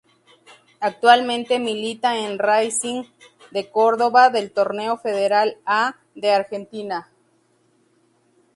Actualmente milita en Racing de Córdoba del Torneo Federal A de Argentina.